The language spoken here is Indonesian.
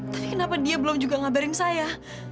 tapi kenapa dia belum juga ngabarin saya